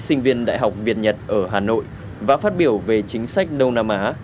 sinh viên đại học việt nhật ở hà nội và phát biểu về chính sách đông nam á